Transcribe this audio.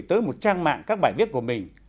tới một trang mạng các bài viết của mình